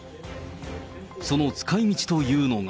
その使いみちというのが。